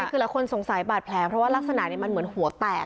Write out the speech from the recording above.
คือหลายคนสงสัยบาดแผลเพราะว่ารักษณะนี้มันเหมือนหัวแตก